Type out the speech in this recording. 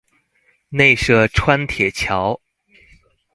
內社川鐵橋